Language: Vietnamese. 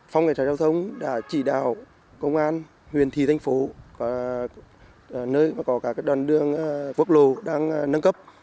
phong nghệ trải giao thông đã chỉ đào công an huyền thị thành phố nơi có đoàn đường quốc lộ đang nâng cấp